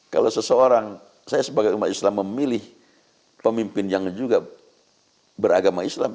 kalau seseorang saya sebagai umat islam memilih pemimpin yang juga beragama islam